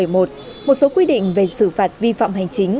một số quy định về xử phạt vi phạm hành chính